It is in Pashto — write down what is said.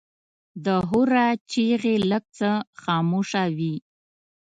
د هورا چیغې لږ څه خاموشه وې.